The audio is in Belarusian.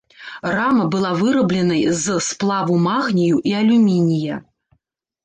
Рама была вырабленай з сплаву магнію і алюмінія.